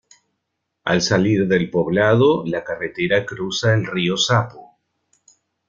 Al salir del poblado, la carretera cruza el río Sapo.